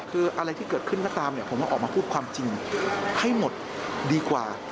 คืออะไรที่เกิดขึ้นก็ตามเนี่ยผมออกมาพูดความจริงให้หมดดีกว่า